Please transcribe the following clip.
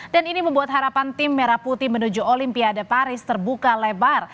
dan ini membuat harapan tim merah putih menuju olimpiade paris terbuka lebar